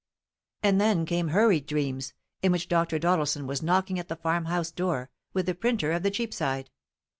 And then came hurried dreams, in which Dr. Doddleson was knocking at the farmhouse door, with the printer of the Cheapside.